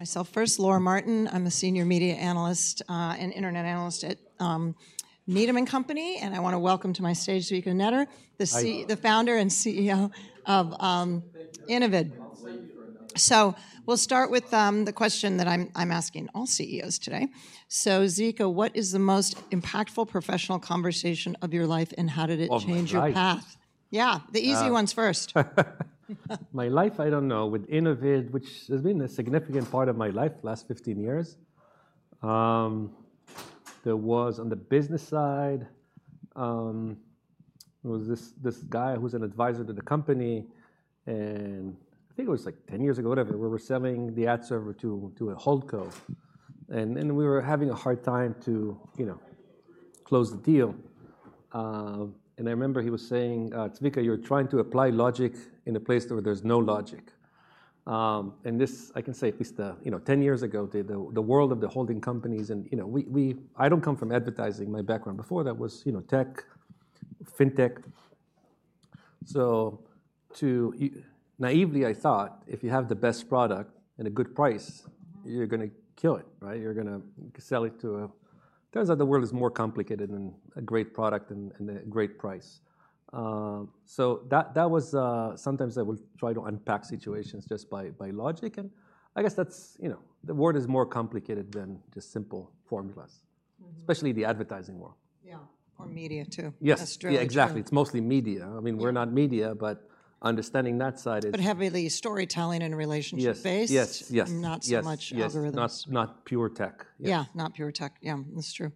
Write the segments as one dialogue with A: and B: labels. A: Myself first, Laura Martin. I'm a Senior Media and Internet Analyst at Needham & Company, and I want to welcome to my stage Zvika Netter, the CEO, founder and CEO of Innovid.
B: Thank you.
A: So we'll start with the question that I'm asking all CEOs today. So, Zvika, what is the most impactful professional conversation of your life, and how did it change your path?
B: Oh, life.
A: Yeah, the easy ones first.
B: My life, I don't know, with Innovid, which has been a significant part of my life last 15 years, there was on the business side, there was this, this guy who's an advisor to the company, and I think it was like 10 years ago or whatever, where we're selling the ad server to, to a Holdco. And we were having a hard time to, you know, close the deal. I remember he was saying, "Zvika, you're trying to apply logic in a place where there's no logic." And this I can say at least, you know, 10 years ago, the world of the holding companies and, you know, we, we I don't come from advertising. My background before that was, you know, tech, fintech. So, too naively, I thought, if you have the best product and a good price, you're gonna kill it, right? You're gonna sell it to a. Turns out the world is more complicated than a great product and a great price. So that was. Sometimes I will try to unpack situations just by logic. And I guess that's, you know, the world is more complicated than just simple formulas, especially the advertising world.
A: Yeah, or media too.
B: Yes.
A: That's true.
B: Yeah, exactly. It's mostly media. I mean, we're not media, but understanding that side is.
A: But heavily storytelling and relationship-based.
B: Yes, yes, yes.
A: Not so much algorithms.
B: Yes, not, not pure tech. Yes.
A: Yeah, not pure tech. Yeah, that's true.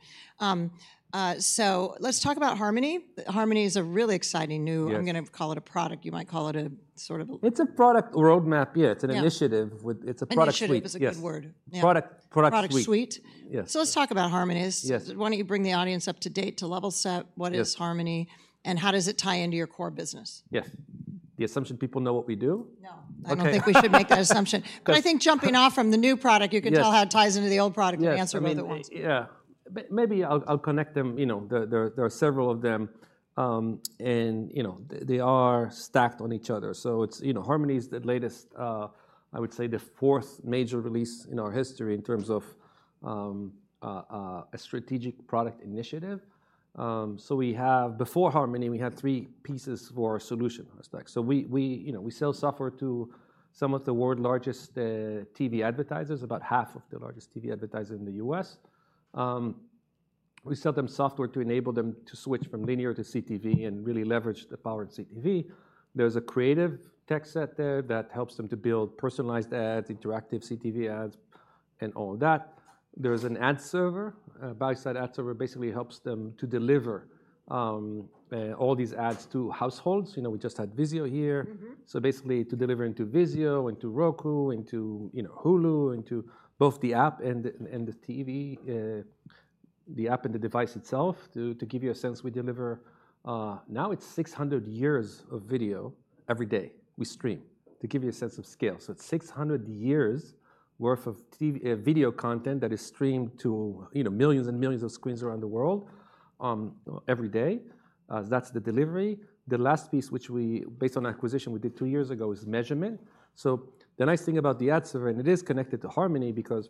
A: So let's talk about Harmony. Harmony is a really exciting new.
B: Yes.
A: I'm gonna call it a product. You might call it a sort of a.
B: It's a product roadmap, yeah. It's an initiative with it's a product suite.
A: Initiative is a good word. Yeah.
B: Product, product suite.
A: Product suite?
B: Yes.
A: Let's talk about Harmony's.
B: Yes.
A: Why don't you bring the audience up to date to level set what is Harmony, and how does it tie into your core business?
B: Yes. The assumption people know what we do?
A: No, I don't think we should make that assumption. But I think jumping off from the new product, you can tell how it ties into the old product and answer both at once.
B: Yeah, yeah, yeah. Maybe I'll connect them. You know, there are several of them. And, you know, they are stacked on each other. So it's, you know, Harmony's the latest. I would say the fourth major release in our history in terms of a strategic product initiative. So we have before Harmony, we had three pieces for our solution aspect. So we, you know, we sell software to some of the world's largest TV advertisers, about half of the largest TV advertisers in the U.S. We sell them software to enable them to switch from linear to CTV and really leverage the power of CTV. There's a creative tech set there that helps them to build personalized ads, interactive CTV ads, and all of that. There's an ad server, a buy-side ad server, basically helps them to deliver all these ads to households. You know, we just had Vizio here. So basically to deliver into Vizio, into Roku, into, you know, Hulu, into both the app and the and the TV, the app and the device itself, to, to give you a sense, we deliver, now it's 600 years of video every day we stream to give you a sense of scale. So it's 600 years' worth of TV, video content that is streamed to, you know, millions and millions of screens around the world, every day. That's the delivery. The last piece, which we based on acquisition we did two years ago, is measurement. So the nice thing about the ad server, and it is connected to Harmony because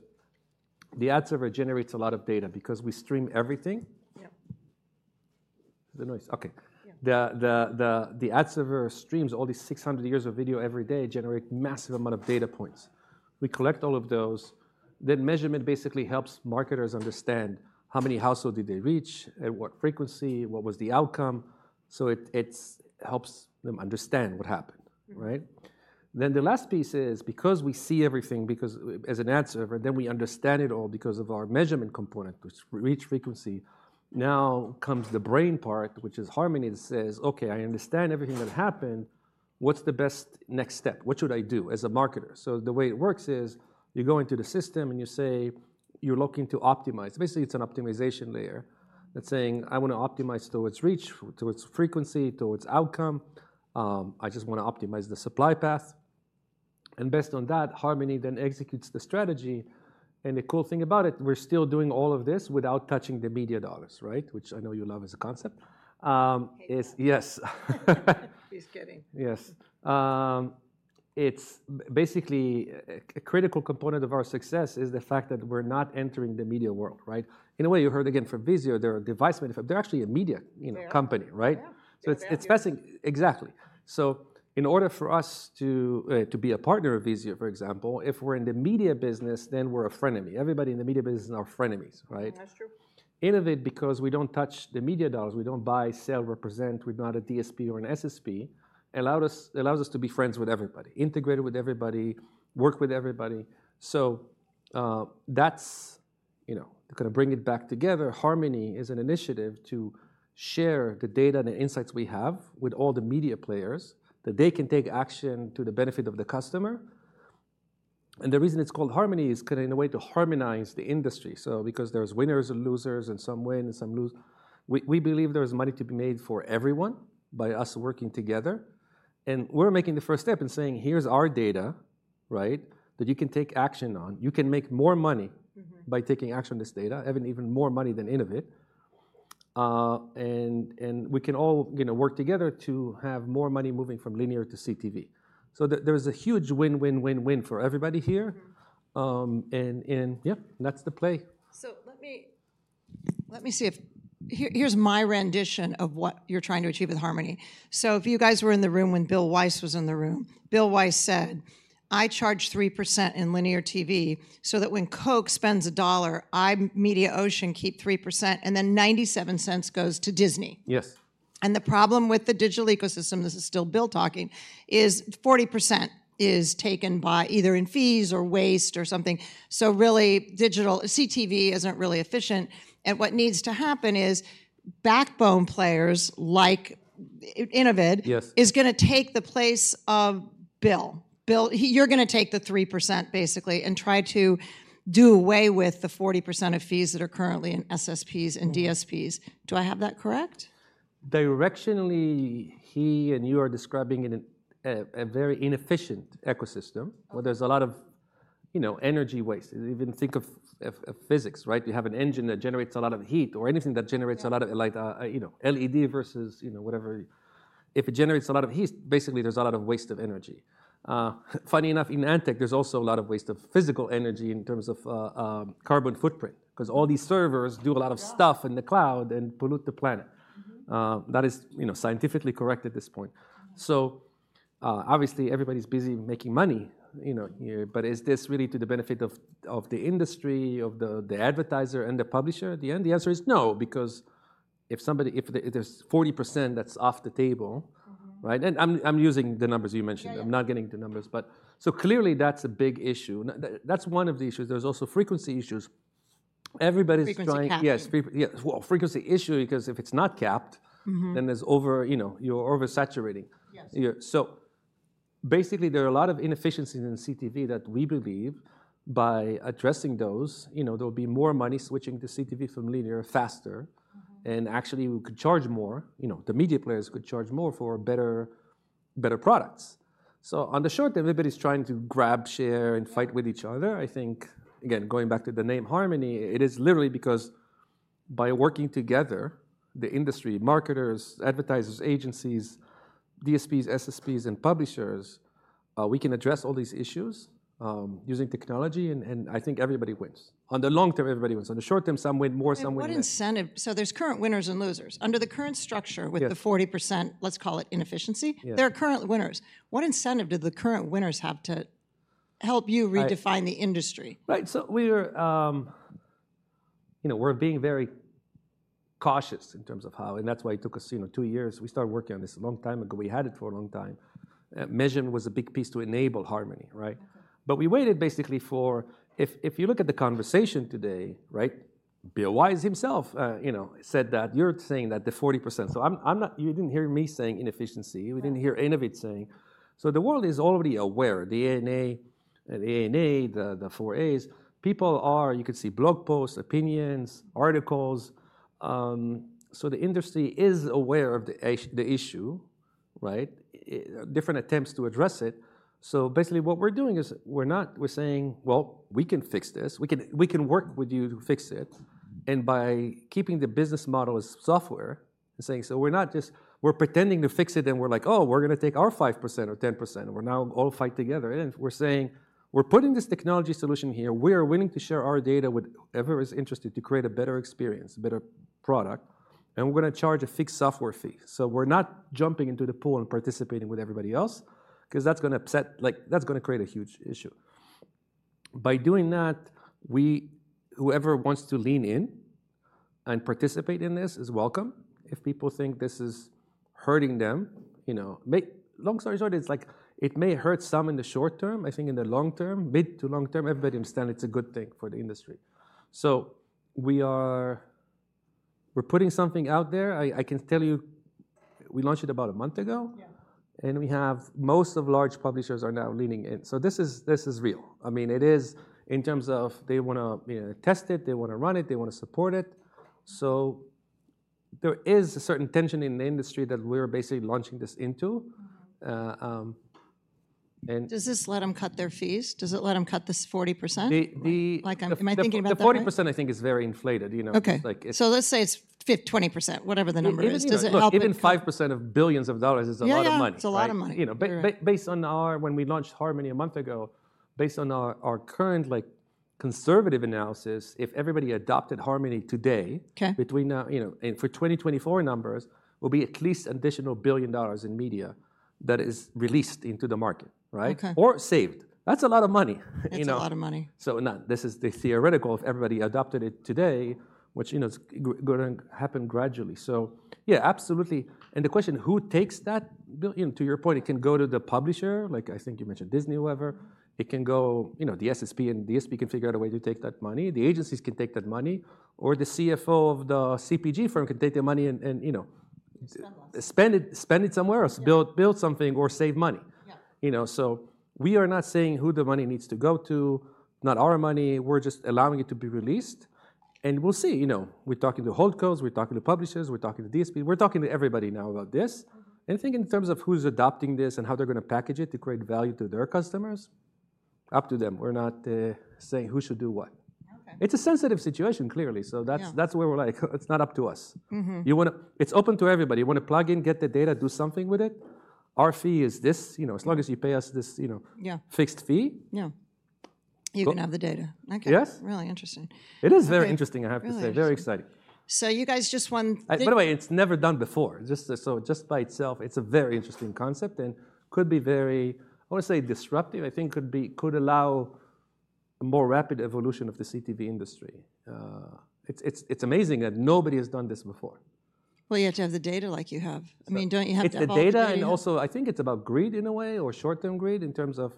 B: the ad server generates a lot of data because we stream everything.
A: Yep.
B: The noise. Okay.
A: Yeah.
B: The ad server streams all these 600 years of video every day, generate massive amount of data points. We collect all of those. Then measurement basically helps marketers understand how many households did they reach, at what frequency, what was the outcome. So it helps them understand what happened, right? Then the last piece is because we see everything, because as an ad server, then we understand it all because of our measurement component, which reach frequency. Now comes the brain part, which is Harmony that says, "Okay, I understand everything that happened. What's the best next step? What should I do as a marketer?" So the way it works is you go into the system and you say you're looking to optimize. Basically, it's an optimization layer that's saying, "I wanna optimize towards reach, towards frequency, towards outcome. I just wanna optimize the supply path." And based on that, Harmony then executes the strategy. And the cool thing about it, we're still doing all of this without touching the media dollars, right, which I know you love as a concept is.
A: Okay.
B: Yes.
A: He's kidding.
B: Yes. It's basically a critical component of our success is the fact that we're not entering the media world, right? In a way, you heard again from Vizio, they're a device manufacturer. They're actually a media, you know, company, right?
A: Yeah, yeah.
B: So it's passing exactly. So in order for us to be a partner of Vizio, for example, if we're in the media business, then we're a frenemy. Everybody in the media business is our frenemies, right?
A: That's true.
B: Innovid, because we don't touch the media dollars, we don't buy, sell, represent, we're not a DSP or an SSP, allowed us to be friends with everybody, integrated with everybody, work with everybody. So, that's, you know, to kinda bring it back together, Harmony is an initiative to share the data and the insights we have with all the media players that they can take action to the benefit of the customer. And the reason it's called Harmony is kinda, in a way, to harmonize the industry. So because there's winners and losers, and some win and some lose, we believe there's money to be made for everyone by us working together. And we're making the first step and saying, "Here's our data, right, that you can take action on. You can make more money by taking action on this data, even more money than Innovid." And we can all, you know, work together to have more money moving from linear to CTV. So there's a huge win, win, win, win for everybody here. And yeah, that's the play.
A: So let me see, here's my rendition of what you're trying to achieve with Harmony. If you guys were in the room when Bill Wise was in the room, Bill Wise said, "I charge 3% in linear TV so that when Coke spends $1, I Mediaocean keep 3%, and then $0.97 goes to Disney.
B: Yes.
A: The problem with the digital ecosystem (this is still Bill talking) is 40% is taken by either in fees or waste or something. Really, digital CTV isn't really efficient. What needs to happen is backbone players like Innovid.
B: Yes.
A: Is gonna take the place of Bill. Bill, you're gonna take the 3% basically and try to do away with the 40% of fees that are currently in SSPs and DSPs. Do I have that correct?
B: Directionally, he and you are describing a very inefficient ecosystem where there's a lot of, you know, energy waste. Even think of physics, right? You have an engine that generates a lot of heat or anything that generates a lot of, like, you know, LED versus, you know, whatever. If it generates a lot of heat, basically, there's a lot of waste of energy. Funny enough, in ad tech, there's also a lot of waste of physical energy in terms of carbon footprint because all these servers do a lot of stuff in the cloud and pollute the planet. That is, you know, scientifically correct at this point. So, obviously, everybody's busy making money, you know, here. But is this really to the benefit of the industry, of the advertiser and the publisher at the end? The answer is no, because if there's 40% that's off the table, right, and I'm using the numbers you mentioned. I'm not getting the numbers, but so clearly, that's a big issue. That's one of the issues. There's also frequency issues. Everybody's trying.
A: Frequency cap.
B: Yes, frequency, yes, well, frequency issue because if it's not capped, then there's over, you know, you're oversaturating.
A: Yes.
B: Here. So basically, there are a lot of inefficiencies in CTV that we believe by addressing those, you know, there'll be more money switching to CTV from linear faster, and actually, we could charge more. You know, the media players could charge more for better, better products. So on the short term, everybody's trying to grab share and fight with each other. I think, again, going back to the name Harmony, it is literally because by working together, the industry, marketers, advertisers, agencies, DSPs, SSPs, and publishers, we can address all these issues, using technology, and, and I think everybody wins. On the long term, everybody wins. On the short term, some win more, some win less.
A: But what incentive? So there's current winners and losers. Under the current structure with the 40%, let's call it inefficiency, there are current winners. What incentive did the current winners have to help you redefine the industry?
B: Right, right. So we were, you know, we're being very cautious in terms of how, and that's why it took us, you know, 2 years. We started working on this a long time ago. We had it for a long time. Measurement was a big piece to enable Harmony, right? But we waited basically for if, if you look at the conversation today, right, Bill Wise himself, you know, said that you're saying that the 40% so I'm, I'm not you didn't hear me saying inefficiency. We didn't hear Innovid saying. So the world is already aware. The ANA, the ANA, the, the 4A's, people are you could see blog posts, opinions, articles. So the industry is aware of the issue, right? Different attempts to address it. So basically, what we're doing is we're not we're saying, "Well, we can fix this. We can work with you to fix it." And by keeping the business model as software and saying, so we're not just pretending to fix it, and we're like, "Oh, we're gonna take our 5% or 10%, and we're now all fighting together." And we're saying, "We're putting this technology solution here. We are willing to share our data with whoever is interested to create a better experience, a better product, and we're gonna charge a fixed software fee." So we're not jumping into the pool and participating with everybody else because that's gonna upset like, that's gonna create a huge issue. By doing that, whoever wants to lean in and participate in this is welcome. If people think this is hurting them, you know, to make a long story short, it's like it may hurt some in the short term. I think in the long term, mid to long term, everybody understands it's a good thing for the industry. So we're putting something out there. I can tell you we launched it about a month ago.
A: Yeah.
B: We have most of large publishers are now leaning in. So this is this is real. I mean, it is in terms of they wanna, you know, test it. They wanna run it. They wanna support it. So there is a certain tension in the industry that we're basically launching this into.
A: Does this let them cut their fees? Does it let them cut this 40%?
B: The, the.
A: Like, I'm thinking about the.
B: The 40% I think is very inflated, you know.
A: Okay.
B: Like it's.
A: Let's say it's 20%, whatever the number is. Does it help?
B: Even 5% of billions of dollars is a lot of money.
A: Yeah, it's a lot of money.
B: You know, based on when we launched Harmony a month ago, based on our current, like, conservative analysis, if everybody adopted Harmony today.
A: Okay.
B: Between now, you know, and for 2024 numbers, it'll be at least an additional $1 billion in media that is released into the market, right?
A: Okay.
B: Or saved. That's a lot of money, you know.
A: It's a lot of money.
B: So now, this is the theoretical. If everybody adopted it today, which, you know, it's gonna happen gradually. Yeah, absolutely. The question, who takes that? Bill, you know, to your point, it can go to the publisher, like I think you mentioned Disney or whatever. It can go, you know, the SSP and DSP can figure out a way to take that money. The agencies can take that money. Or the CFO of the CPG firm can take the money and, you know.
A: Spend less.
B: Spend it, spend it somewhere else. Build, build something or save money.
A: Yeah.
B: You know, so we are not saying who the money needs to go to, not our money. We're just allowing it to be released. And we'll see, you know, we're talking to holdcos. We're talking to publishers. We're talking to DSP. We're talking to everybody now about this. And I think in terms of who's adopting this and how they're gonna package it to create value to their customers, up to them. We're not saying who should do what.
A: Okay.
B: It's a sensitive situation, clearly. So that's where we're like, "It's not up to us." You wanna, it's open to everybody. You wanna plug in, get the data, do something with it. Our fee is this, you know, as long as you pay us this, you know.
A: Yeah.
B: Fixed fee.
A: Yeah. You can have the data. Okay.
B: Yes.
A: Really interesting.
B: It is very interesting, I have to say. Very exciting.
A: So you guys just want to.
B: By the way, it's never done before. Just by itself, it's a very interesting concept and could be very, I wanna say, disruptive. I think could allow a more rapid evolution of the CTV industry. It's amazing that nobody has done this before.
A: Well, you have to have the data like you have. I mean, don't you have to always?
B: It's the data and also, I think it's about greed in a way or short-term greed in terms of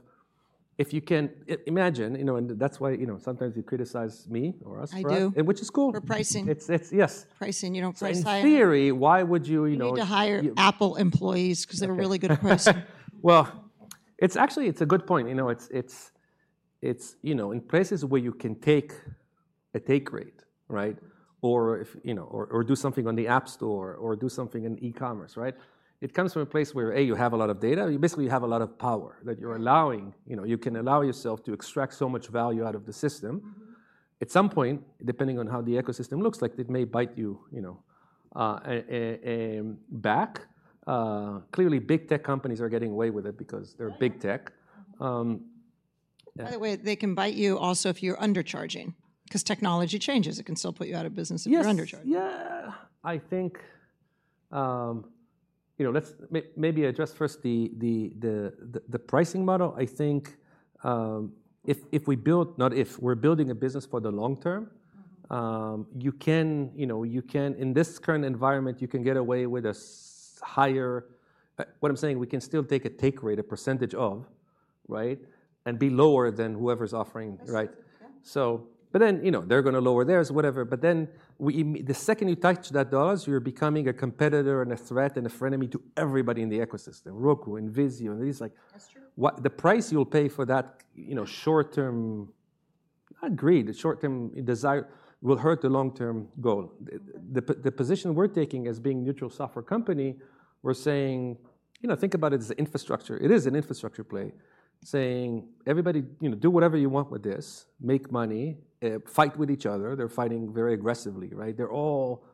B: if you can imagine, you know, and that's why, you know, sometimes you criticize me or us for.
A: I do.
B: Which is cool.
A: For pricing.
B: It's yes.
A: Pricing. You don't price higher.
B: In theory, why would you, you know?
A: Need to hire Apple employees because they're a really good pricer.
B: Well, it's actually a good point. You know, it's, you know, in places where you can take a take rate, right, or if, you know, or do something on the App Store or do something in e-commerce, right, it comes from a place where, A, you have a lot of data. You basically have a lot of power that you're allowing, you know, you can allow yourself to extract so much value out of the system. At some point, depending on how the ecosystem looks like, it may bite you, you know, back. Clearly, big tech companies are getting away with it because they're big tech.
A: By the way, they can bite you also if you're undercharging because technology changes. It can still put you out of business if you're undercharging.
B: Yes. Yeah. I think, you know, let's maybe address first the pricing model. I think, if we build not if. We're building a business for the long term. You can, you know, you can in this current environment, you can get away with a higher what I'm saying, we can still take a take rate, a percentage of, right, and be lower than whoever's offering, right?
A: Yes. Yeah.
B: But then, you know, they're gonna lower theirs, whatever. But then, the second you touch that dollars, you're becoming a competitor and a threat and a frenemy to everybody in the ecosystem, Roku and Vizio and these like.
A: That's true.
B: What the price you'll pay for that, you know, short-term not greed, short-term desire will hurt the long-term goal. The position we're taking as being neutral software company, we're saying, you know, think about it as an infrastructure. It is an infrastructure play, saying, "Everybody, you know, do whatever you want with this. Make money. Fight with each other." They're fighting very aggressively, right? They're all,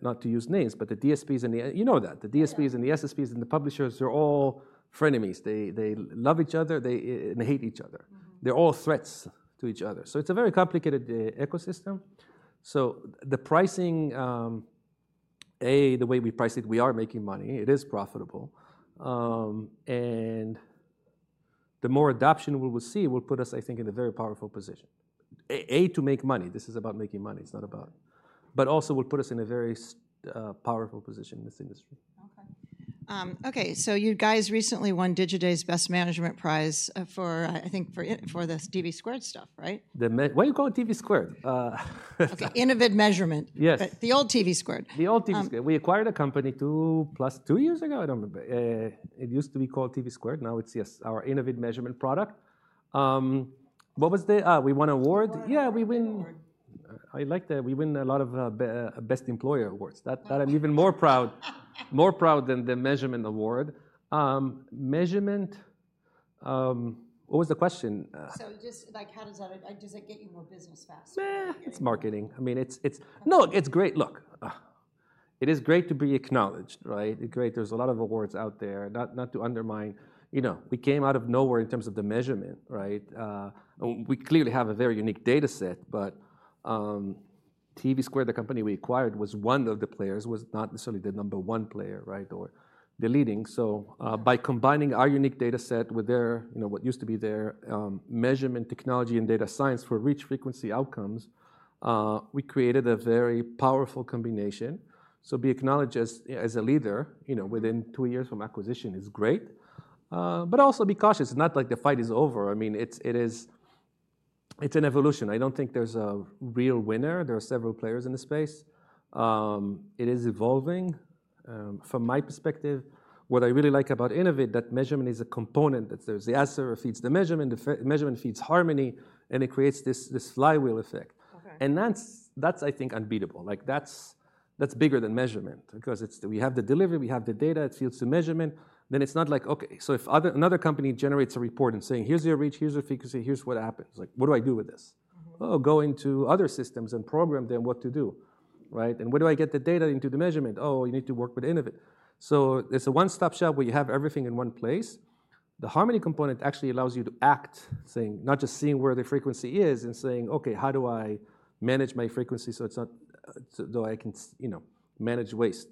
B: not to use names, but the DSPs and the you know that. The DSPs and the SSPs and the publishers, they're all frenemies. They love each other. They hate each other. They're all threats to each other. So it's a very complicated ecosystem. So the pricing, A, the way we price it, we are making money. It is profitable. And the more adoption we will see, it will put us, I think, in a very powerful position. A, to make money. This is about making money. It's not about but also, it will put us in a very powerful position in this industry.
A: Okay. Okay. So you guys recently won Digiday's Best Management Prize for, I think, for this TV squared stuff, right?
B: Tell me why are you calling it TVSquared?
A: Okay. Innovid Measurement.
B: Yes.
A: The old TVSquared.
B: The old TVSquared. We acquired a company two plus years ago. I don't remember. It used to be called TVSquared. Now it's, yes, our Innovid Measurement product. What was the, we won award? Yeah, we win.
A: Award.
B: I like that. We win a lot of Best Employer Awards. That I'm even more proud than the Measurement Award. Measurement, what was the question?
A: Just, like, how does that? Does it get you more business fast?
B: Meh. It's marketing. I mean, it's great. Look, it is great to be acknowledged, right? Great. There's a lot of awards out there. Not to undermine, you know, we came out of nowhere in terms of the measurement, right? We clearly have a very unique data set, but, TVSquared, the company we acquired was one of the players, was not necessarily the number one player, right, or the leading. So, by combining our unique data set with their, you know, what used to be their, measurement technology and data science for reach frequency outcomes, we created a very powerful combination. So be acknowledged as, as a leader, you know, within two years from acquisition is great. But also be cautious. It's not like the fight is over. I mean, it's an evolution. I don't think there's a real winner. There are several players in the space. It is evolving. From my perspective, what I really like about Innovid, that measurement is a component that's where the ad server feeds the measurement. The measurement feeds Harmony, and it creates this, this flywheel effect.
A: Okay.
B: That's, that's, I think, unbeatable. Like, that's, that's bigger than measurement because it's we have the delivery. We have the data. It feeds to measurement. It's not like, "Okay. So if other another company generates a report and saying, 'Here's your reach. Here's your frequency. Here's what happens,' like, what do I do with this?" Oh, go into other systems and program them what to do, right? Where do I get the data into the measurement? Oh, you need to work with Innovid. So it's a one-stop shop where you have everything in one place. The Harmony component actually allows you to act, saying not just seeing where the frequency is and saying, "Okay. How do I manage my frequency so it's not so I can, you know, manage waste?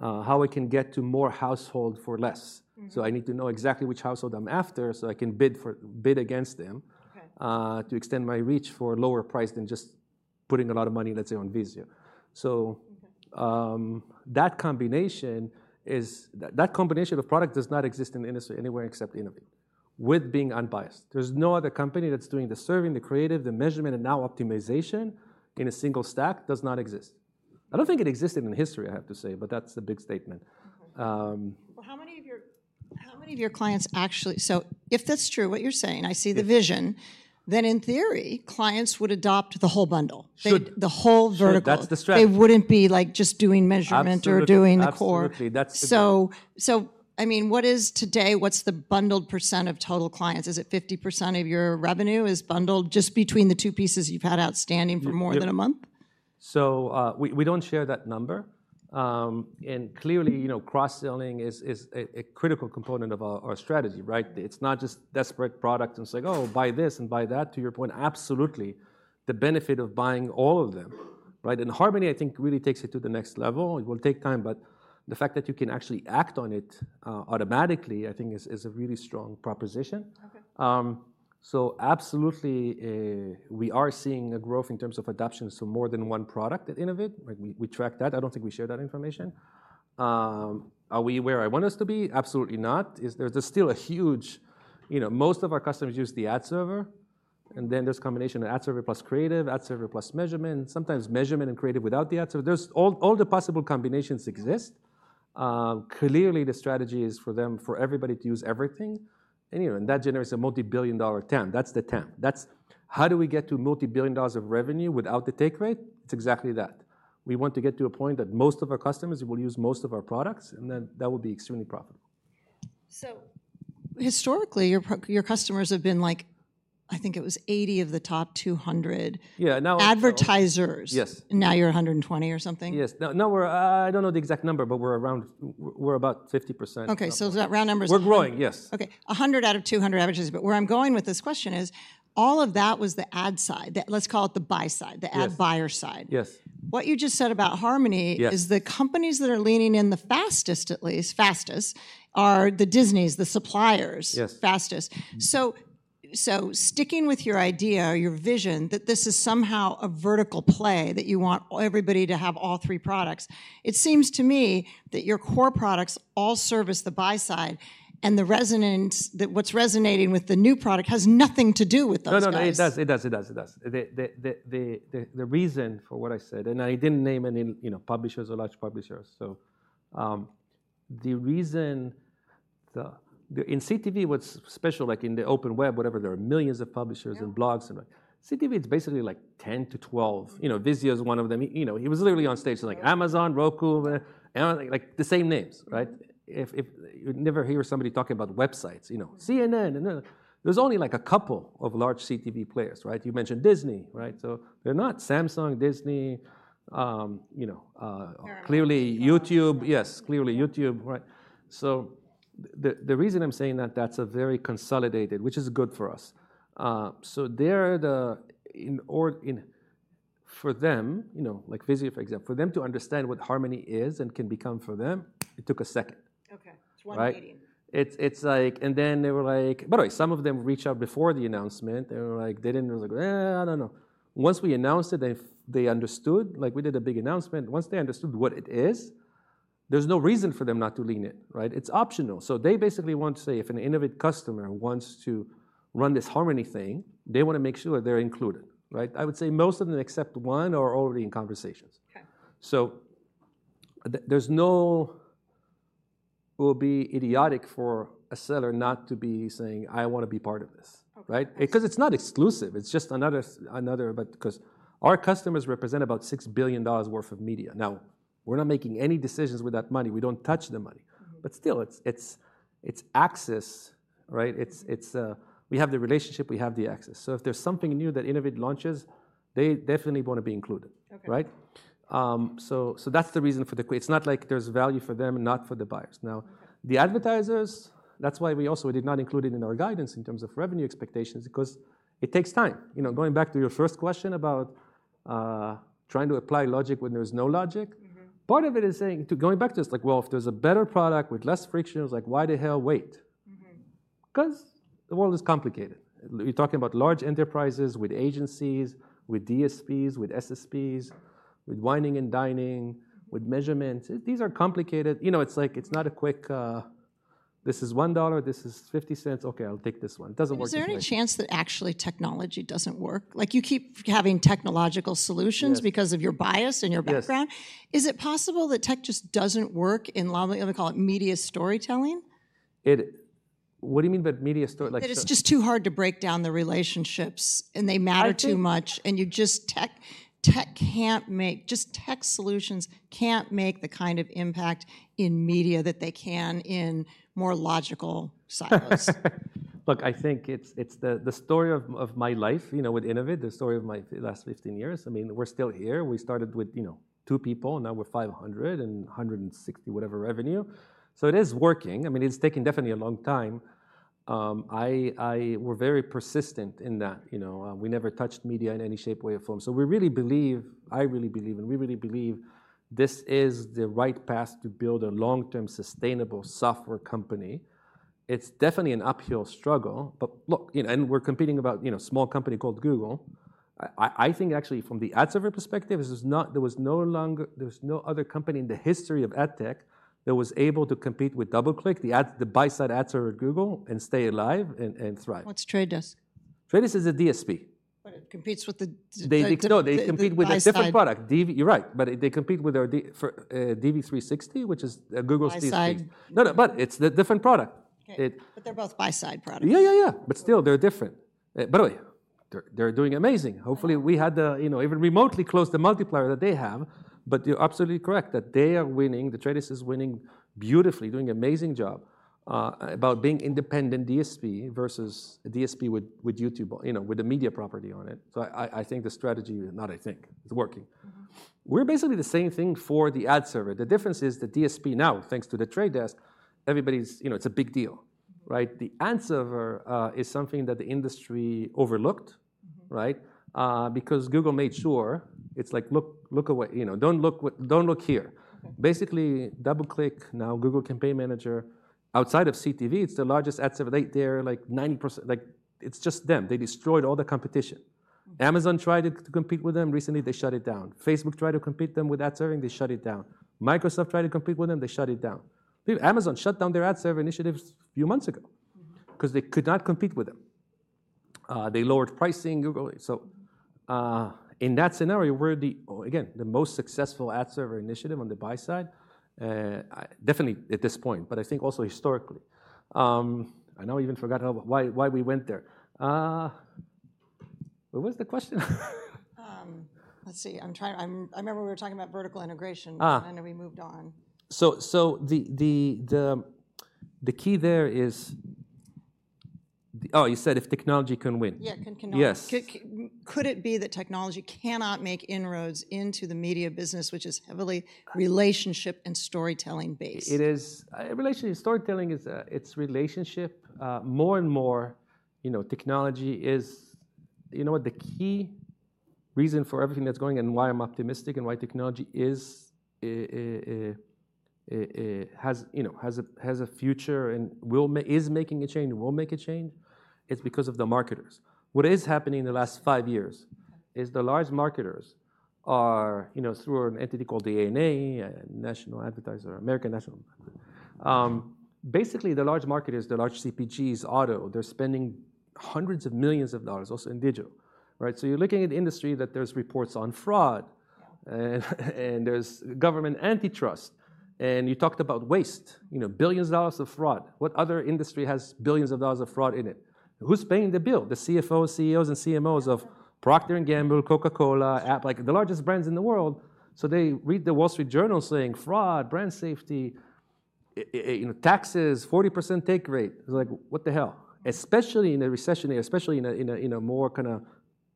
A: Yeah.
B: how I can get to more households for less. So I need to know exactly which household I'm after so I can bid against them.
A: Okay.
B: to extend my reach for a lower price than just putting a lot of money, let's say, on Vizio. So.
A: Okay.
B: That combination of product does not exist in the industry anywhere except Innovid with being unbiased. There's no other company that's doing the serving, the creative, the measurement, and now optimization in a single stack. It does not exist. I don't think it existed in history, I have to say, but that's a big statement.
A: Well, how many of your clients actually? So if that's true, what you're saying, I see the vision, then in theory, clients would adopt the whole bundle.
B: Should.
A: The whole vertical.
B: That's the strategy.
A: They wouldn't be, like, just doing measurement or doing the core.
B: Absolutely. That's.
A: I mean, what is today what's the bundled percent of total clients? Is it 50% of your revenue is bundled just between the two pieces you've had outstanding for more than a month?
B: Yeah. So, we don't share that number. Clearly, you know, cross-selling is a critical component of our strategy, right? It's not just disparate products and it's like, "Oh, buy this and buy that," to your point. Absolutely. The benefit of buying all of them, right? Harmony, I think, really takes it to the next level. It will take time, but the fact that you can actually act on it, automatically, I think, is a really strong proposition.
A: Okay.
B: So absolutely, we are seeing a growth in terms of adoption to more than one product at Innovid. Like, we, we track that. I don't think we share that information. Are we where I want us to be? Absolutely not. Is there still a huge, you know, most of our customers use the ad server. And then there's a combination of ad server plus creative, ad server plus measurement, sometimes measurement and creative without the ad server. There's all, all the possible combinations exist. Clearly, the strategy is for them for everybody to use everything. And, you know, and that generates a multibillion-dollar TAM. That's the TAM. That's how do we get to multibillion dollars of revenue without the take rate? It's exactly that. We want to get to a point that most of our customers will use most of our products, and then that will be extremely profitable.
A: Historically, your customers have been, like, I think it was 80 of the top 200.
B: Yeah. Now.
A: Advertisers.
B: Yes.
A: Now you're 120 or something.
B: Yes. Now, I don't know the exact number, but we're around about 50%.
A: Okay. So is that round numbers?
B: We're growing. Yes.
A: Okay. 100 out of 200 advertisers. But where I'm going with this question is, all of that was the ad side. Let's call it the buy side, the ad buyer side.
B: Yes. Yes.
A: What you just said about Harmony.
B: Yes.
A: Is the companies that are leaning in the fastest, at least fastest, are the Disneys, the suppliers?
B: Yes.
A: Fastest. So, so sticking with your idea, your vision, that this is somehow a vertical play that you want everybody to have all three products, it seems to me that your core products all service the buy side, and the resonance that what's resonating with the new product has nothing to do with those things.
B: No, no, no. It does. It does. It does. It does. The reason for what I said and I didn't name any, you know, publishers or large publishers, so, the reason in CTV, what's special, like, in the open web, whatever, there are millions of publishers and blogs and, like, CTV is basically, like, 10-12. You know, Vizio is one of them. You know, he was literally on stage saying, like, "Amazon, Roku," like, the same names, right? If, if you never hear somebody talking about websites, you know, "CNN," and there's only, like, a couple of large CTV players, right? You mentioned Disney, right? So they're not Samsung, Disney, you know,
A: Herald.
B: Clearly, YouTube. Yes. Clearly, YouTube, right? So the reason I'm saying that, that's a very consolidated, which is good for us. So they're the in order in for them, you know, like Vizio, for example, for them to understand what Harmony is and can become for them, it took a second.
A: Okay. It's one meeting.
B: Right? It's like and then they were like by the way, some of them reached out before the announcement. They were like they didn't it was like, I don't know. Once we announced it, they understood. Like, we did a big announcement. Once they understood what it is, there's no reason for them not to lean in, right? It's optional. So they basically want to say, if an Innovid customer wants to run this Harmony thing, they wanna make sure that they're included, right? I would say most of them except one are already in conversations.
A: Okay.
B: So there's no it will be idiotic for a seller not to be saying, "I wanna be part of this," right?
A: Okay.
B: Because it's not exclusive. It's just another, another, but because our customers represent about $6 billion worth of media. Now, we're not making any decisions with that money. We don't touch the money. But still, it's, it's, it's access, right? It's, it's, we have the relationship. We have the access. So if there's something new that Innovid launches, they definitely wanna be included, right?
A: Okay.
B: So, so that's the reason for the—it's not like there's value for them, not for the buyers. Now, the advertisers, that's why we also we did not include it in our guidance in terms of revenue expectations because it takes time. You know, going back to your first question about, trying to apply logic when there's no logic, part of it is saying to going back to this, like, well, if there's a better product with less friction, it's like, why the hell wait?
A: Mm-hmm.
B: Because the world is complicated. You're talking about large enterprises with agencies, with DSPs, with SSPs, with wining and dining, with measurement. These are complicated. You know, it's like it's not a quick, this is $1. This is $0.50. Okay. I'll take this one. It doesn't work either.
A: Is there any chance that actually technology doesn't work? Like, you keep having technological solutions because of your bias and your background.
B: Yes.
A: Is it possible that tech just doesn't work in, let me call it, media storytelling?
B: What do you mean by media story? Like.
A: That it's just too hard to break down the relationships, and they matter too much, and tech solutions can't make the kind of impact in media that they can in more logical silos.
B: Look, I think it's the story of my life, you know, with Innovid, the story of my last 15 years. I mean, we're still here. We started with, you know, two people, and now we're 500 and 160 whatever revenue. So it is working. I mean, it's taken definitely a long time. We were very persistent in that, you know. We never touched media in any shape, way, or form. So we really believe, and we really believe, this is the right path to build a long-term, sustainable software company. It's definitely an uphill struggle. But look, you know, and we're competing against, you know, a small company called Google. I think actually, from the ad server perspective, there was no other company in the history of ad tech that was able to compete with DoubleClick, the buy-side ad server at Google, and stay alive and thrive.
A: What's The Trade Desk?
B: Desk is a DSP.
A: But it competes with the DSP.
B: No. They compete with a different product. DV, you're right. But they compete with our DV360, which is Google's DSP.
A: Buy-side?
B: No, no. But it's a different product.
A: Okay.
B: It.
A: But they're both buy-side products.
B: Yeah, yeah, yeah. But still, they're different. By the way, they're doing amazing. Hopefully, we had the, you know, even remotely close the multiplier that they have. But you're absolutely correct that they are winning. The Trade Desk is winning beautifully, doing an amazing job about being an independent DSP versus a DSP with YouTube, you know, with a media property on it. So I think the strategy not. I think. It's working.
A: Mm-hmm.
B: We're basically the same thing for the ad server. The difference is the DSP now, thanks to The Trade Desk, everybody's you know, it's a big deal, right? The ad server is something that the industry overlooked, right, because Google made sure it's like, "Look, look away. You know, don't look with don't look here." Basically, DoubleClick, now Google Campaign Manager, outside of CTV, it's the largest ad server. They're like 90% like, it's just them. They destroyed all the competition. Amazon tried to, to compete with them. Recently, they shut it down. Facebook tried to compete them with ad serving. They shut it down. Microsoft tried to compete with them. They shut it down. Amazon shut down their ad server initiatives a few months ago because they could not compete with them. They lowered pricing. Google, so in that scenario, we're the again, the most successful ad server initiative on the buy side, definitely at this point, but I think also historically. I now even forgot how why, why we went there. What was the question?
A: Let's see. I'm trying, I remember we were talking about vertical integration. And then we moved on.
B: So the key there is the oh, you said if technology can win.
A: Yeah. Can technology.
B: Yes.
A: Could it be that technology cannot make inroads into the media business, which is heavily relationship and storytelling-based?
B: It is. Relationship storytelling is, it's relationship more and more, you know, technology is you know what? The key reason for everything that's going and why I'm optimistic and why technology is, has, you know, has a has a future and will is making a change and will make a change is because of the marketers. What is happening in the last five years is the large marketers are, you know, through an entity called the ANA, National Advertiser or American National Advertiser basically, the large marketers, the large CPGs, auto, they're spending $hundreds of millions also in digital, right? So you're looking at the industry that there's reports on fraud, and, and there's government antitrust. And you talked about waste, you know, $billions of fraud. What other industry has $billions of fraud in it? Who's paying the bill? The CFOs, CEOs, and CMOs of Procter & Gamble, Coca-Cola, Apple, like, the largest brands in the world. So they read the Wall Street Journal saying, "Fraud, brand safety, you know, taxes, 40% take rate." It's like, what the hell? Especially in a recession era, especially in a more kind of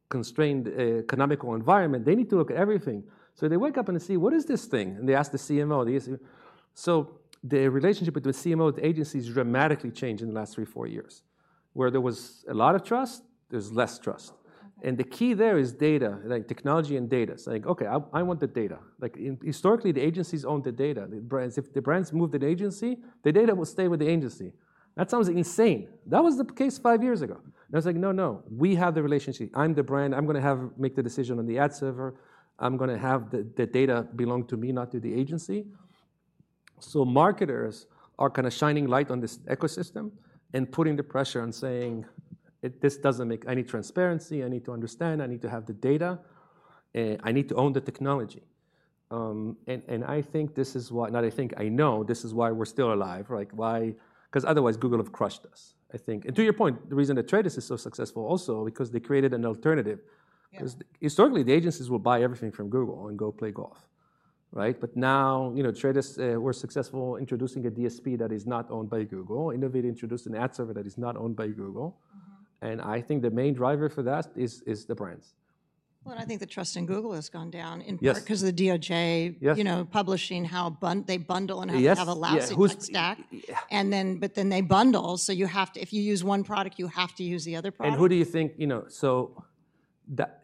B: constrained, economic environment, they need to look at everything. So they wake up and they see, "What is this thing?" And they ask the CMO. So the relationship between CMOs and agencies dramatically changed in the last three, four years, where there was a lot of trust. There's less trust. And the key there is data, like, technology and data. It's like, "Okay. I, I want the data." Like, historically, the agencies owned the data, the brands. If the brands moved an agency, the data would stay with the agency. That sounds insane. That was the case five years ago. And it's like, "No, no. We have the relationship. I'm the brand. I'm gonna have make the decision on the ad server. I'm gonna have the data belong to me, not to the agency." So marketers are kind of shining light on this ecosystem and putting the pressure and saying, "This doesn't make any transparency. I need to understand. I need to have the data. I need to own the technology." And I think this is why. I know this is why we're still alive, right? Why because otherwise, Google have crushed us, I think. And to your point, the reason that The Trade Desk is so successful also because they created an alternative.
A: Yeah.
B: Because historically, the agencies will buy everything from Google and go play golf, right? But now, you know, The Trade Desk, we're successful introducing a DSP that is not owned by Google. Innovid introduced an ad server that is not owned by Google.
A: Mm-hmm.
B: I think the main driver for that is the brands.
A: Well, I think the trust in Google has gone down in part.
B: Yes.
A: Because of the DOJ.
B: Yes.
A: You know, publishing how they bundle and how they have a latency stack.
B: Yes. Who's yeah.
A: They bundle. So you have to, if you use one product, you have to use the other product.
B: Who do you think, you know, so that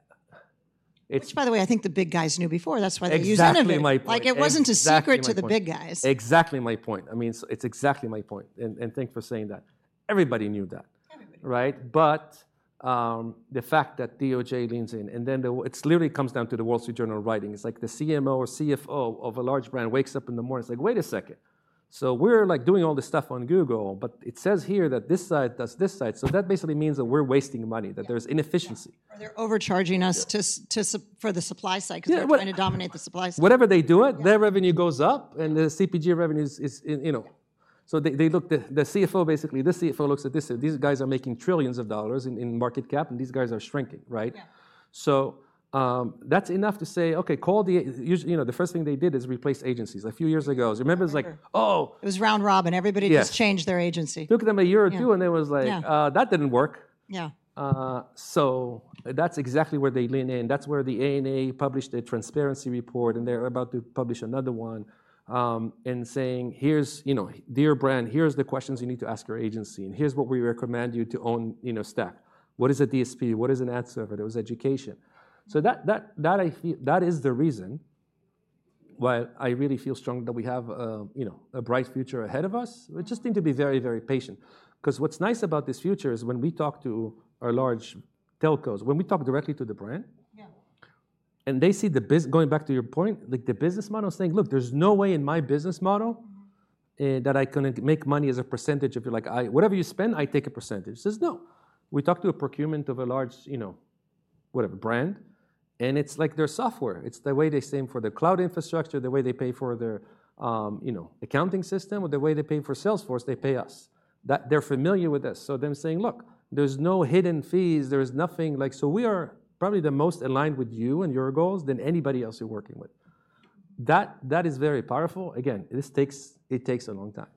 B: it's.
A: Which, by the way, I think the big guys knew before. That's why they use Innovid.
B: Exactly my point.
A: Like, it wasn't a secret to the big guys.
B: Exactly my point. I mean, so it's exactly my point. And thanks for saying that. Everybody knew that.
A: Everybody.
B: Right? But the fact that DOJ leans in and then it literally comes down to the Wall Street Journal writing. It's like the CMO or CFO of a large brand wakes up in the morning. It's like, "Wait a second. So we're, like, doing all this stuff on Google, but it says here that this side does this side. So that basically means that we're wasting money, that there's inefficiency.
A: Are they overcharging us for the supply side? Because they're trying to dominate the supply side.
B: Yeah. Whatever they do it, their revenue goes up, and the CPG revenue is, you know, so they look, the CFO basically, this CFO looks at this. These guys are making trillions of dollars in market cap, and these guys are shrinking, right?
A: Yeah.
B: So, that's enough to say, "Okay. Call the usual, you know, the first thing they did is replace agencies." A few years ago, remember, it was like, "Oh.
A: It was round robin. Everybody just changed their agency.
B: Yeah. Took them a year or two, and it was like, that didn't work.
A: Yeah.
B: So that's exactly where they lean in. That's where the 4A's published a transparency report, and they're about to publish another one, and saying, "Here's you know, dear brand, here's the questions you need to ask your agency, and here's what we recommend you to own, you know, stack. What is a DSP? What is an ad server?" It was education. So that I feel that is the reason why I really feel strong that we have, you know, a bright future ahead of us. We just need to be very, very patient. Because what's nice about this future is when we talk to our large telcos, when we talk directly to the brand.
A: Yeah.
B: They see the business going back to your point, like, the business model is saying, "Look, there's no way in my business model, that I couldn't make money as a percentage of your like, I whatever you spend, I take a percentage." It says, "No." We talk to a procurement of a large, you know, whatever, brand, and it's like their software. It's the way they pay the same for their cloud infrastructure, the way they pay for their, you know, accounting system, or the way they pay for Salesforce, they pay us. That they're familiar with this. So them saying, "Look, there's no hidden fees. There is nothing like, so we are probably the most aligned with you and your goals than anybody else you're working with." That, that is very powerful. Again, this takes a long time.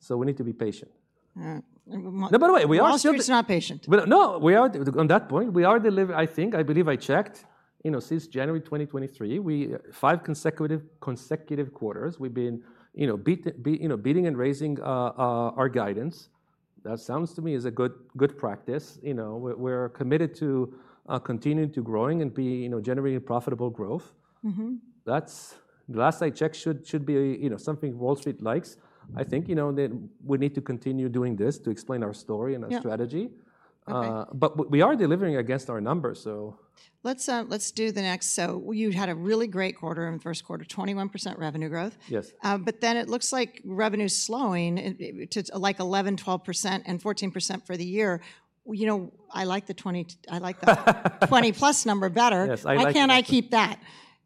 B: So we need to be patient.
A: Yeah.
B: No, by the way, we are still.
A: Wall Street's not patient.
B: But no. We are on that point. We are delivering, I think. I believe I checked, you know, since January 2023, we 5 consecutive quarters, we've been, you know, beating and raising our guidance. That sounds to me as a good practice. You know, we're committed to continuing to grow and be, you know, generating profitable growth.
A: Mm-hmm.
B: That's the last I checked should be a, you know, something Wall Street likes. I think, you know, that we need to continue doing this to explain our story and our strategy.
A: Yeah. Okay.
B: but we, we are delivering against our numbers, so.
A: Let's do the next. So you had a really great quarter in the first quarter, 21% revenue growth.
B: Yes.
A: But then it looks like revenue's slowing to like 11%, 12% and 14% for the year. You know, I like the 20 I like the 20+ number better.
B: Yes. I like that.
A: Why can't I keep that?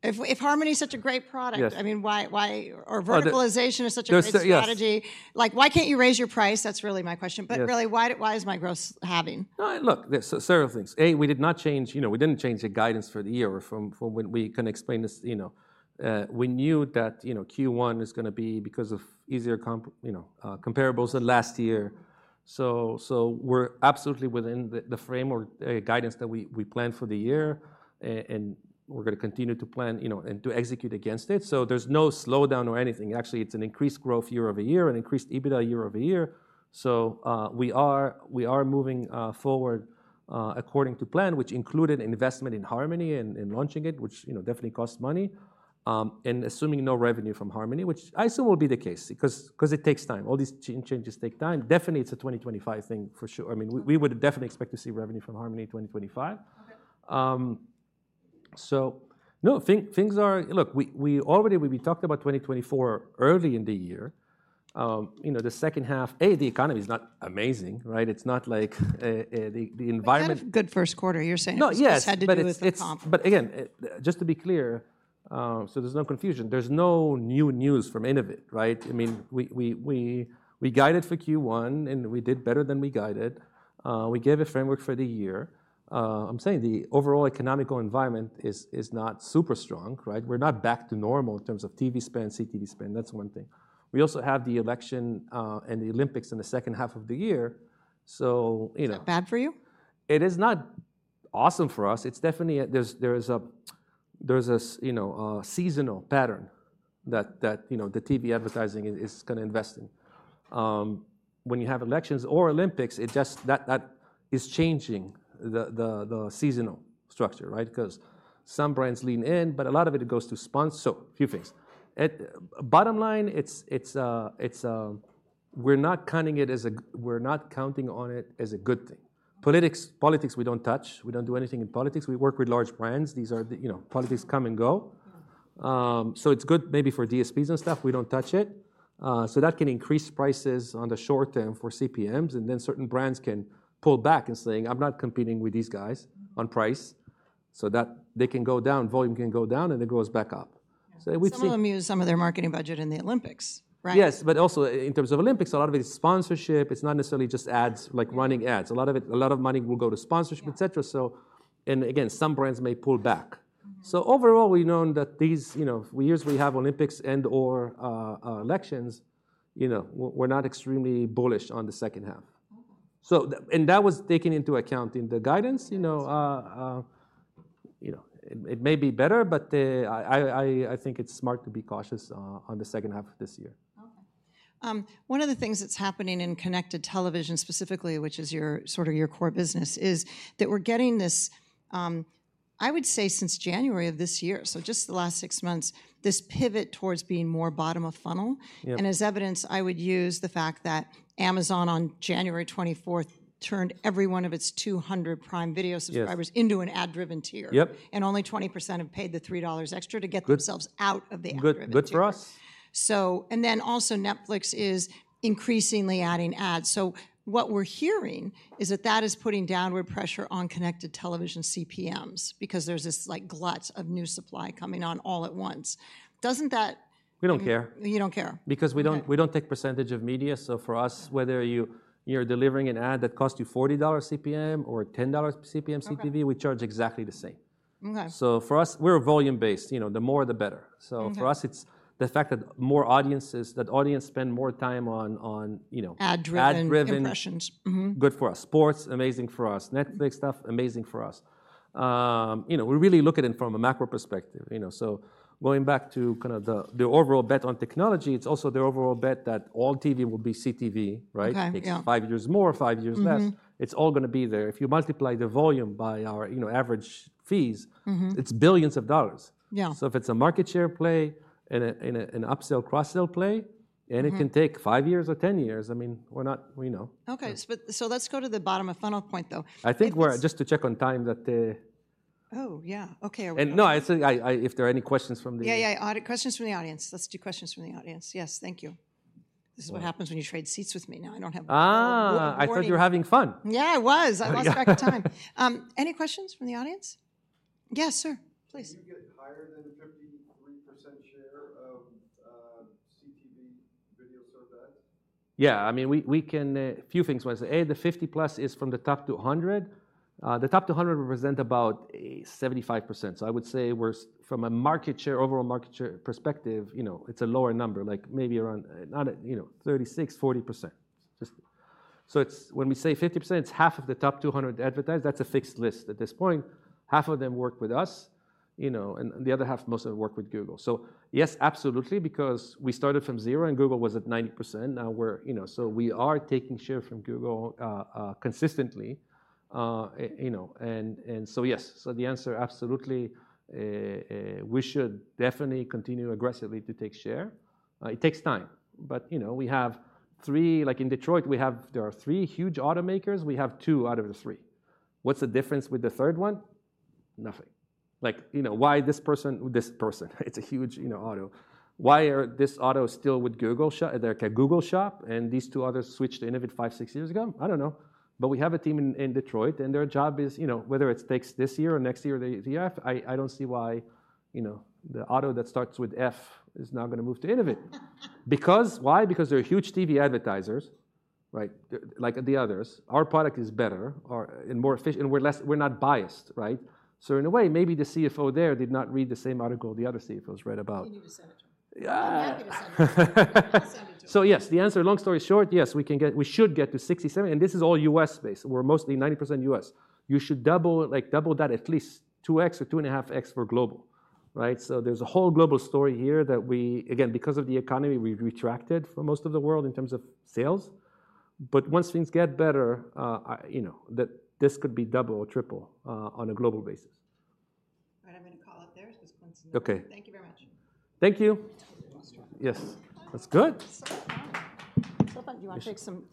A: If Harmony is such a great product, I mean, why is verticalization such a great strategy?
B: There's a yeah.
A: Like, why can't you raise your price? That's really my question. But really, why is my growth having?
B: Look, there's several things. A, we did not change you know, we didn't change the guidance for the year or from, from when can explain this, you know. We knew that, you know, Q1 is gonna be because of easier comp you know, comparables than last year. So, we're absolutely within the framework, guidance that we planned for the year, and we're gonna continue to plan, you know, and to execute against it. So there's no slowdown or anything. Actually, it's an increased growth year-over-year, an increased EBITDA year-over-year. So, we are moving forward, according to plan, which included investment in Harmony and launching it, which, you know, definitely costs money, and assuming no revenue from Harmony, which I assume will be the case because it takes time. All these changes take time. Definitely, it's a 2025 thing for sure. I mean, we would definitely expect to see revenue from Harmony in 2025.
A: Okay.
B: So, no. Things are looking. We already talked about 2024 early in the year. You know, the second half, the economy's not amazing, right? It's not like the environment.
A: You said good first quarter. You're saying this has had to do with the comp.
B: No. Yes. But again, just to be clear, so there's no confusion. There's no new news from Innovid, right? I mean, we guided for Q1, and we did better than we guided. We gave a framework for the year. I'm saying the overall economic environment is not super strong, right? We're not back to normal in terms of TV spend, CTV spend. That's one thing. We also have the election, and the Olympics in the second half of the year. So, you know.
A: Is that bad for you?
B: It is not awesome for us. It's definitely there is a, you know, a seasonal pattern that, you know, the TV advertising is gonna invest in. When you have elections or Olympics, it's just that is changing the seasonal structure, right? Because some brands lean in, but a lot of it goes to sponsor. So a few things. Bottom line, it's, we're not counting on it as a good thing. Politics, we don't touch. We don't do anything in politics. We work with large brands. These are, you know, politics come and go. So it's good maybe for DSPs and stuff. We don't touch it. So that can increase prices on the short term for CPMs. And then certain brands can pull back and saying, "I'm not competing with these guys on price." So that they can go down. Volume can go down, and it goes back up. So we've seen.
A: Yeah. Some of them use some of their marketing budget in the Olympics, right?
B: Yes. But also, in terms of Olympics, a lot of it is sponsorship. It's not necessarily just ads, like running ads. A lot of it a lot of money will go to sponsorship, etc. So and again, some brands may pull back. So overall, we've known that these, you know, years we have Olympics and/or, elections, you know, we're not extremely bullish on the second half.
A: Okay.
B: That was taken into account in the guidance. You know, you know, it may be better, but I think it's smart to be cautious on the second half of this year.
A: Okay. One of the things that's happening in connected television specifically, which is your sort of your core business, is that we're getting this, I would say, since January of this year, so just the last six months, this pivot towards being more bottom-of-funnel.
B: Yep.
A: As evidence, I would use the fact that Amazon on January 24th turned every one of its 200 Prime Video subscribers into an ad-driven tier.
B: Yep.
A: And only 20% have paid the $3 extra to get themselves out of the ad-driven tier.
B: Good, good for us.
A: So, and then also, Netflix is increasingly adding ads. So, what we're hearing is that that is putting downward pressure on connected television CPMs because there's this, like, glut of new supply coming on all at once. Doesn't that.
B: We don't care.
A: You don't care.
B: Because we don't take percentage of media. So for us, whether you're delivering an ad that cost you $40 CPM or $10 CPM CTV, we charge exactly the same.
A: Okay.
B: So for us, we're volume-based. You know, the more, the better. So for us, it's the fact that more audiences that audience spend more time on, you know.
A: Ad-driven impressions.
B: Ad-driven. Mm-hmm. Good for us. Sports amazing for us. Netflix stuff amazing for us. You know, we really look at it from a macro perspective, you know? So going back to kind of the overall bet on technology, it's also the overall bet that all TV will be CTV, right?
A: Okay. Yeah.
B: Takes five years more, five years less. It's all gonna be there. If you multiply the volume by our, you know, average fees.
A: Mm-hmm.
B: It's billions of dollars.
A: Yeah.
B: So if it's a market share play and an upsell-cross-sell play, and it can take five years or 10 years, I mean, we're not we know.
A: Okay. But so let's go to the bottom-of-funnel point, though.
B: I think we're just to check on time that the.
A: Oh, yeah. Okay. Are we?
B: And now. It's Q&A if there are any questions from the.
A: Yeah, yeah. Audience questions from the audience. Let's do questions from the audience. Yes. Thank you. This is what happens when you trade seats with me now. I don't have a book of boards.
B: I thought you were having fun.
A: Yeah. I was. I lost track of time. Any questions from the audience? Yes, sir. Please.
C: Can you get higher than 53% share of CTV video-served ads?
B: Yeah. I mean, we can, a few things want to say. A, the 50+ is from the top 100. The top 100 represent about 75%. So I would say we're from a market share overall market share perspective, you know, it's a lower number, like maybe around not a, you know, 36%-40%. Just so it's when we say 50%, it's half of the top 200 advertisers. That's a fixed list at this point. Half of them work with us, you know, and the other half most of them work with Google. So yes, absolutely, because we started from zero, and Google was at 90%. Now we're, you know so we are taking share from Google, consistently, you know? And, and so yes. So the answer, absolutely, we should definitely continue aggressively to take share. It takes time. You know, we have three, like in Detroit, there are three huge automakers. We have two out of the three. What's the difference with the third one? Nothing. Like, you know, why this person with this person? It's a huge, you know, auto. Why is this auto still with Google's? They're at Google shop, and these two others switched to Innovid five, sux years ago? I don't know. But we have a team in Detroit, and their job is, you know, whether it takes this year or next year or the year, I don't see why, you know, the auto that starts with F is not gonna move to Innovid. Because why? Because they're huge TV advertisers, right, like the others. Our product is better or and more efficient, and we're less, we're not biased, right? In a way, maybe the CFO there did not read the same article the other CFOs read about.
A: You need a senator.
B: Yeah.
A: You have to get a senator. You need a senator.
B: So yes. The answer, long story short, yes, we can get we should get to 60-70, and this is all U.S.-based. We're mostly 90% U.S.. You should double, like, double that at least 2x or 2.5x for global, right? So there's a whole global story here that we again, because of the economy, we've retracted from most of the world in terms of sales. But once things get better, I, you know, that this could be double or triple, on a global basis.
A: All right. I'm gonna call it there. I suppose Quinn's gonna.
B: Okay.
A: Thank you very much.
B: Thank you.
A: You're welcome.
B: Yes. That's good.
A: So fun. So fun. Do you want to take some?